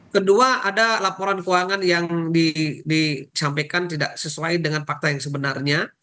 kedua ada laporan keuangan yang disampaikan tidak sesuai dengan fakta yang sebenarnya